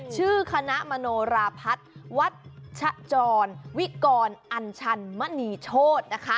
ชื่อคณะมโนราพัฒน์วัชจรวิกรอัญชันมณีโชธนะคะ